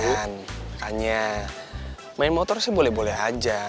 makanya main motor sih boleh boleh aja